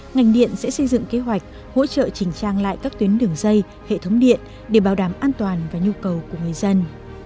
ngành điện sẽ xây dựng kế hoạch hỗ trợ chỉnh trang lại các tuyến đường dây hệ thống điện để bảo đảm an toàn và nhu cầu của người dân